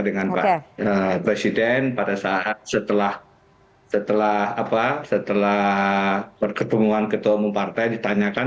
dengan pak presiden pada saat setelah pertemuan ketua umum partai ditanyakan